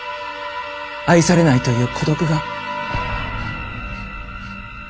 愛されないという孤独が。